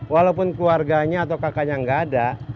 walaupun keluarganya atau kakaknya nggak ada